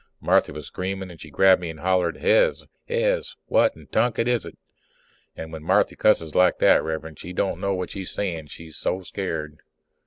Marthy was screaming and she grabbed me and hollered, "Hez! Hez, what in tunket is it?" And when Marthy cusses like that, Rev'rend, she don't know what she's saying, she's so scared.